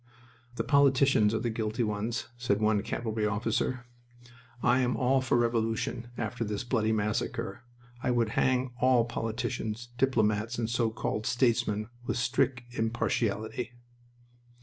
"The politicians are the guilty ones," said one cavalry officer. "I am all for revolution after this bloody massacre. I would hang all politicians, diplomats, and so called statesmen with strict impartiality."